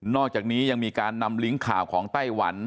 อกจากนี้ยังมีการนำลิงก์ข่าวของไต้หวัน